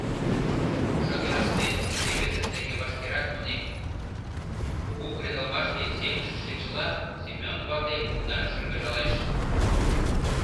«Шыгырыште икте-весышт дек вашкерак тунемыт», — кугу кредалмаште сеҥышыш лекшыла, Семён вате кумдан шыргыжалеш.